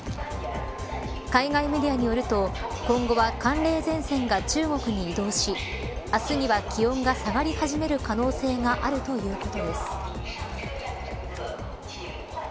海外メディアによると今後は寒冷前線が中国に移動し明日には気温が下がり始める可能性があるということです。